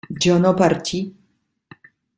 yo no partí